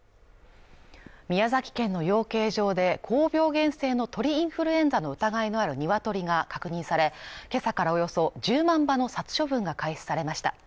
宮崎県の養鶏場で高病原性の鳥インフルエンザの疑いのあるニワトリが確認され今朝からおよそ１０万羽の殺処分が開始されました